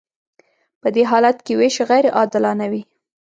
په دې حالت کې ویش غیر عادلانه وي.